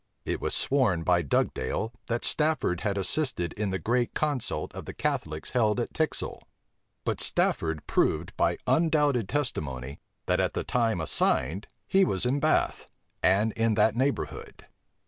It was sworn by Dugdale, that Stafford had assisted in a great consult of the Catholics held at Tixal; but Stafford proved by undoubted testimony, that at the time assigned he was in Bath, and in that neighborhood.